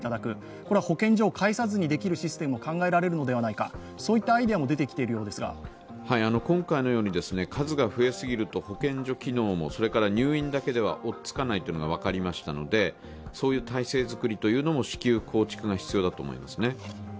これは保健所を介さずにできるシステムも考えられるのではないかそういったアイデアも出てきているようですが今回のように数が増えすぎると保健所機能も入院だけでは追いつかないというのが分かりましたのでそういう体制作りというのも至急構築が必要だと思いますね。